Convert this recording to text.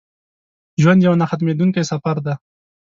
ژوند یو نه ختمېدونکی سفر دی.